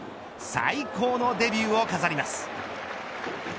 最高のデビューを飾ります。